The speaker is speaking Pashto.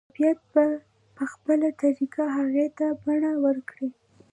طبیعت به په خپله طریقه هغې ته بڼه ورکړي